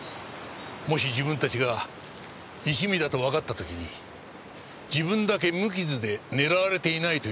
もし自分たちが一味だとわかった時に自分だけ無傷で狙われていないというのはおかしい。